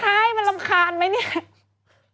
ใช่มันรำคาญไหมเนี่ย